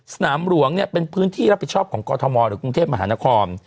สนามหลวงเนี่ยเป็นพื้นที่รับผิดชอบของกรทมหรือกรุงเทพมหานคร